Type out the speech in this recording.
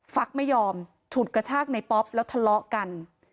ฟักไม่ยอมฉุดกระชากในป๊อปแล้วทะเลาะกัน